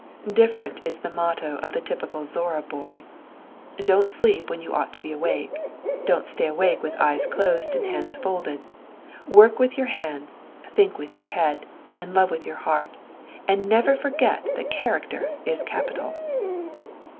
Different is the motto of the typical Zorra boy: "Don't sleep when you ought to be awake; don't stay awake with eyes closed and hands folded; work with your hands, think with your head, and love with your heart, and never forget that character is capital."